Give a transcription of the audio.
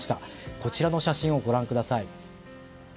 こちらの写真をご覧ください。